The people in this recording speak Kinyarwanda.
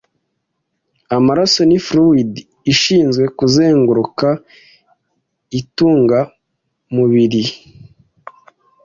Amaraso ni ﬂ uid ishinzwe kuzenguruka intungamubiri.